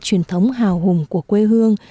truyền thống hào hùng của quê hương